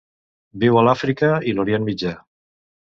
Viu a l'Àfrica i l'Orient Mitjà.